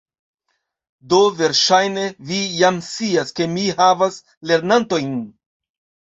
Do, verŝajne vi jam scias, ke mi havas lernantojn